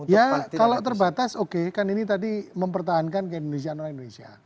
ya kalau terbatas oke kan ini tadi mempertahankan keindonesiaan orang indonesia